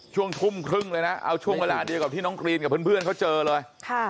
ช่วงทุ่มครึ่งเลยนะเอาช่วงเวลาเดียวกับที่น้องกรีนกับเพื่อนเขาเจอเลย